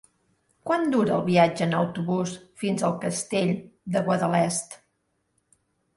Quant dura el viatge en autobús fins al Castell de Guadalest?